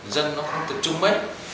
dân nó không thể chung mấy